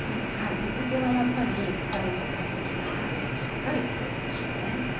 水けはやっぱり腐りの大敵なのでしっかり取りましょうね。